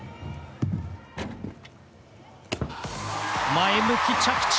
前向き、着地！